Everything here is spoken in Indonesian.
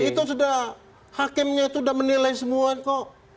itu sudah hakimnya itu sudah menilai semua kok